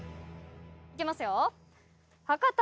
いきますよ。